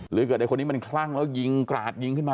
หรือเกิดไอคนนี้มันคลั่งแล้วยิงกราดยิงขึ้นมา